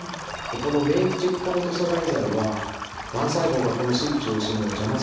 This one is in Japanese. この免疫チェックポイント阻害剤はがん細胞がこのスイッチを押すのを邪魔する働きがあります。